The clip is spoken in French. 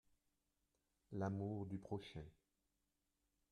L’amour du prochain.